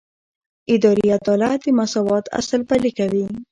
اداري عدالت د مساوات اصل پلي کوي.